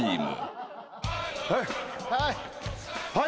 はい。